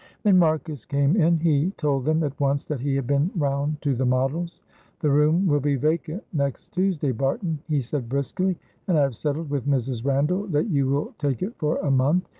When Marcus came in he told them at once that he had been round to the Models. "The room will be vacant next Tuesday, Barton," he said, briskly, "and I have settled with Mrs. Randall that you will take it for a month.